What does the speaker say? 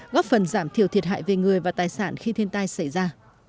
góp phần giảm thiểu thiệt hại về người và tài sản khi thiên tai xảy ra